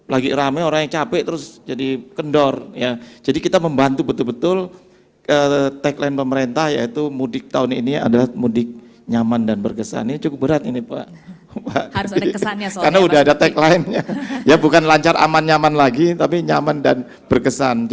lagi ramai orang yang capek terus jadi kendor ya jadi kita membantu betul betul decline pemerintah yaitu mudik tahun ini adalah mudik nyaman dan berkesan cukup berat ini pak